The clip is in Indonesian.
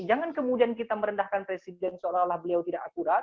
jangan kemudian kita merendahkan presiden seolah olah beliau tidak akurat